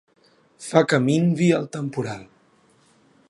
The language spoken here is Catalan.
Fa que minvi el temporal.